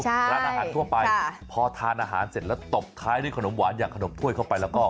ร้านอาหารทั่วไปพอทานอาหารเสร็จแล้วตบท้ายด้วยขนมหวานอย่างขนมถ้วยเข้าไปแล้วก็